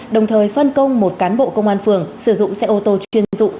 đồng thời phân công một cán bộ công an phường sử dụng xe ô tô chuyên dụng